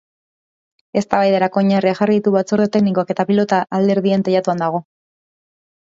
Eztabaidarako oinarriak jarri ditu batzorde teknikoak, eta pilota alderdien teilatuan dago.